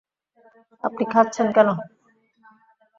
আপনি খাচ্ছেন কেন?